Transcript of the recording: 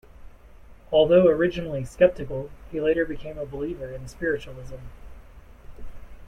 Although originally skeptical, he later became a believer in spiritualism.